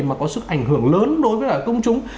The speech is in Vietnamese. mà có sức ảnh hưởng lớn đối với cả công chúng